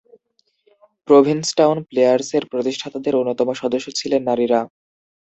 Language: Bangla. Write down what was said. প্রভিন্সটাউন প্লেয়ার্সের প্রতিষ্ঠাতাদের অন্যতম সদস্য ছিলেন নারীরা।